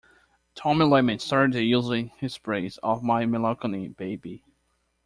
Tommy Lyman started the use in his praise of My Melancholy Baby.